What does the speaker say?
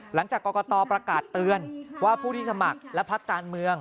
หลังจากกรกตประกาศเตือนว่าผู้ที่สมัครและพักการเมือง